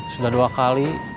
sudah dua kali